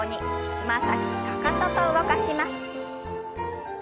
つま先かかとと動かします。